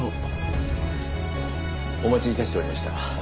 お待ちいたしておりました。